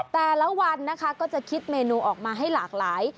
แต่ละวันนะคะก็จะคิดเมนูออกมาให้หลากหลาย